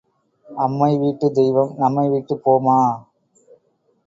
அம்மை வீட்டுத் தெய்வம் நம்மை விட்டுப் போமா?